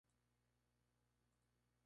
Encabeza el partido verde.